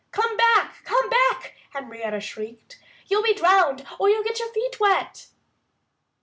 "Come back! Come back!" Henrietta Hen shrieked. "You'll be drowned and you'll get your feet wet!"